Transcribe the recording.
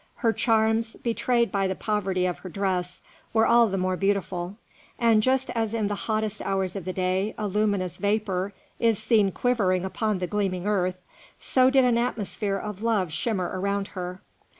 Her charms, betrayed by the poverty of her dress, were all the more beautiful; and just as in the hottest hours of the day a luminous vapour is seen quivering upon the gleaming earth, so did an atmosphere of love shimmer around her.